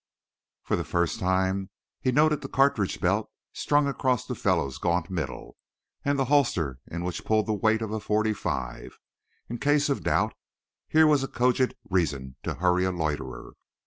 For the first time he noted the cartridge belt strung across the fellow's gaunt middle and the holster in which pulled the weight of a forty five. In case of doubt, here was a cogent reason to hurry a loiterer.